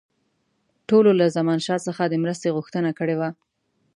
ټولو له زمانشاه څخه د مرستې غوښتنه کړې وه.